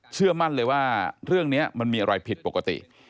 เชื่อมั่นเลยว่าเรื่องนี้มันมีอะไรผิดปกติ